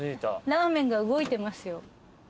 ラーメンが動いてますよ。